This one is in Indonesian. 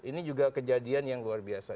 ini juga kejadian yang luar biasa